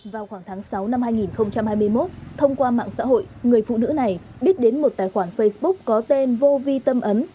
vào khoảng tháng sáu năm hai nghìn hai mươi một thông qua mạng xã hội người phụ nữ này biết đến một tài khoản facebook có tên vô vi tâm ấn